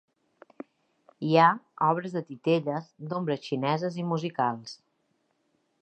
Hi ha obres de titelles, d’ombres xineses i musicals.